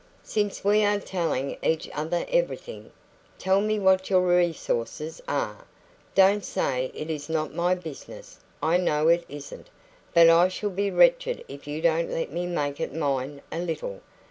Since we are telling each other everything, tell me what your resources are. Don't say it is not my business; I know it isn't, but I shall be wretched if you don't let me make it mine a little.